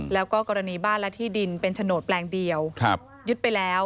แล้วก็กรณีบ้านและที่ดินเป็นโฉนดแปลงเดียวยึดไปแล้ว